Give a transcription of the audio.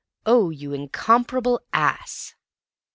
Oh, you incomparable ass!"